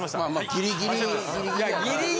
ギリギリで。